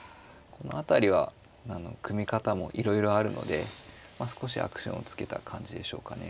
この辺りは組み方もいろいろあるので少しアクションをつけた感じでしょうかね。